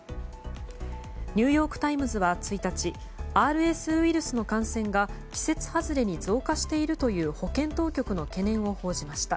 ニューヨーク・タイムズは１日、ＲＳウイルスの感染が季節外れに増加しているという保健当局の懸念を報じました。